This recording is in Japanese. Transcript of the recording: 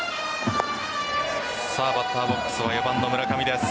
バッターボックスは４番の村上です。